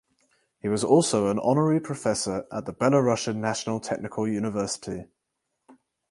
He was also an honorary professor at the Belarusian National Technical University.